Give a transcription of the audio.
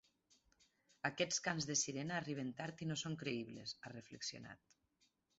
Aquests cants de sirena arriben tard i no són creïbles, ha reflexionat.